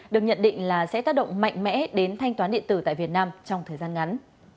được nhận định là sẽ tác động mạnh mẽ đến thanh toán điện tử tại việt nam trong thời gian ngắn